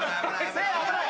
せいや危ない。